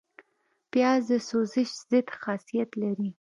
پیاز د سوزش ضد خاصیت لري